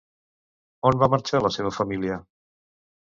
On va marxar la seva família?